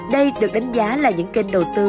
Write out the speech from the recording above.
đây được đánh giá là những kênh đầu tư